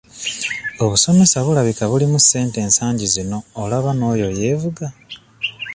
Obusomesa bulabika bulimu ssente ensangi zino olaba n'oyo yeevuga.